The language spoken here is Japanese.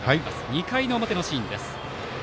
２回の表のシーンです。